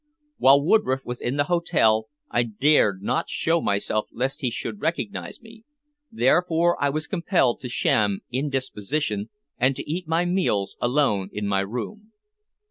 While Woodroffe was in the hotel I dared not show myself lest he should recognize me, therefore I was compelled to sham indisposition and to eat my meals alone in my room.